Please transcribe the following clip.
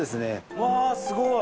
うわすごい！